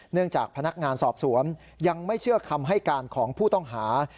จากพนักงานสอบสวนยังไม่เชื่อคำให้การของผู้ต้องหา